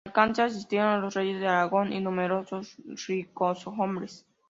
Al enlace asistieron los reyes de Aragón y numerosos ricoshombres.